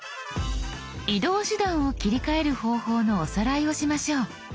移動手段を切り替える方法のおさらいをしましょう。